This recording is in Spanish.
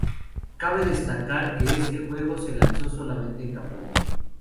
Cabe destacar que este juego se lanzó solamente en Japón.